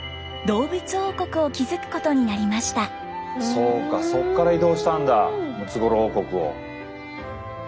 そうかそっから移動したんだムツゴロウ王国を。